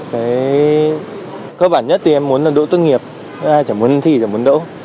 cái cơ bản nhất thì em muốn là đỗ tốt nghiệp chẳng muốn thi chẳng muốn đỗ